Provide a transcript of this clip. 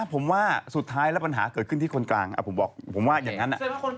ผมว่าสุดท้ายแล้วปัญหาเกิดขึ้นที่คนกลางผมบอกผมว่าอย่างนั้น